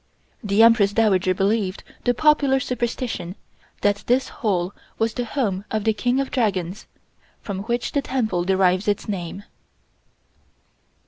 The Empress Dowager believed the popular superstition that this hole was the home of the King of Dragons from which the temple derives its name.